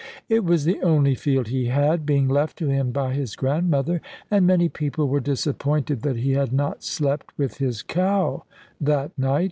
It was the only field he had, being left to him by his grandmother; and many people were disappointed that he had not slept with his cow that night.